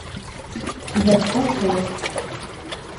Il a trois sœurs.